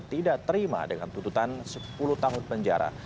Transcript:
tidak terima dengan tuntutan sepuluh tahun penjara